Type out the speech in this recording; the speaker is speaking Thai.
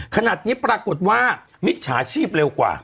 ขนาดนี้ปรากฏว่ามิจฉาชีพเร็วกว่า